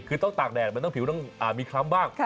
คือต้องตากแดดมันต้องผิวต้องมีคล้ำบ้าง